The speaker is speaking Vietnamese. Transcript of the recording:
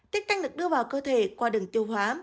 tiết canh được đưa vào cơ thể qua đường tiêu hóa